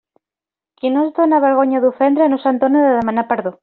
Qui no es dóna vergonya d'ofendre no se'n dóna de demanar perdó.